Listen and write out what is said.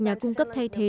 nhà cung cấp thay thế